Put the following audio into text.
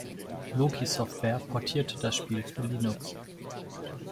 Loki Software portierte das Spiel für Linux.